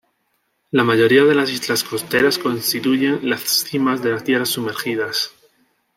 La mayoría de las islas costeras constituyen las cimas de tierras sumergidas.